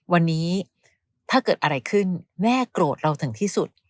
วันนี้ถ้าเกิดอะไรขึ้นแม่โกรธเราถึงที่สุด